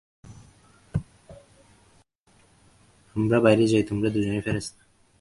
আমরা বাইরে যাই তোমরা দুজনেই ফেরেশতা।